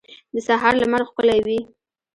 د سهار لمر ښکلی وي.